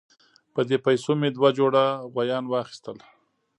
په دې پیسو مې دوه جوړه غویان واخیستل.